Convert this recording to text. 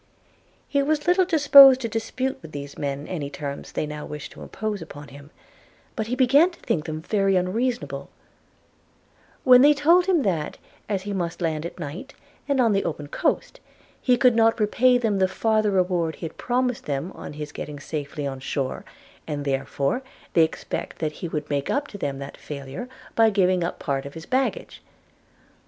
– He was little disposed to dispute with these men any terms they now wished to impose upon him; but he began to think them very unreasonable, when they told him that, as he must land at night, and on the open coast, he could not pay them the farther reward he had promised them on his getting safely on shore; and, therefore, they expect that he would make up to them that failure, by giving up part of his baggage.